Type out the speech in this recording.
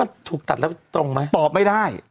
ปรอกไม่ได้